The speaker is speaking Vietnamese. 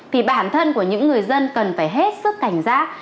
thì bản thân của những người dân cần phải hết sức cảnh giác